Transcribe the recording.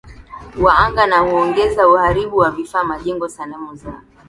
wa anga na huongeza uharibifu wa vifaa majengo sanamu za